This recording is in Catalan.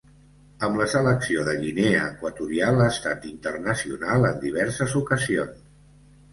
Amb la selecció de Guinea Equatorial ha estat internacional en diverses ocasions.